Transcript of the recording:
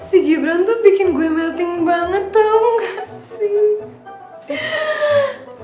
si gibran tuh bikin gue melting banget tau gak sih